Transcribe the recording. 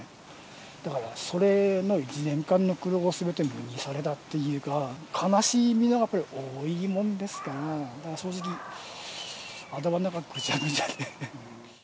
だから、それの１年間の苦労がすべて無にされたっていうか、悲しみがやっぱり大きいもんですから、正直、頭の中ぐちゃぐちゃで。